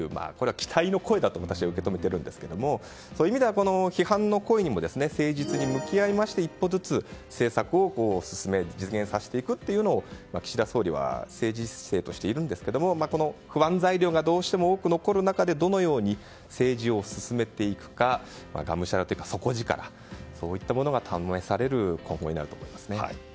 期待の声だと私は受け止めているんですがそういう意味では批判の声にも誠実に向き合いまして一歩ずつ政策を進める実現させていくというのを岸田総理は政治姿勢としているんですがこの不安材料がどうしても多く残る中でどのように政治を進めていくかがむしゃらというか底力、そういったものが試される今後になると思います。